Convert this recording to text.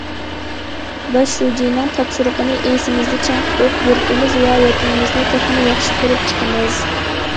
باش شۇجىنىڭ تاپشۇرۇقىنى ئېسىمىزدە چىڭ تۇتۇپ، يۇرتىمىز ۋە ۋەتىنىمىزنى تېخىمۇ ياخشى قۇرۇپ چىقىمىز.